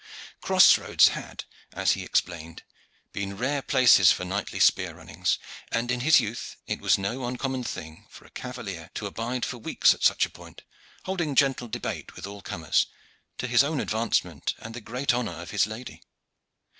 Crossroads had, as he explained, been rare places for knightly spear runnings, and in his youth it was no uncommon thing for a cavalier to abide for weeks at such a point, holding gentle debate with all comers, to his own advancement and the great honor of his lady.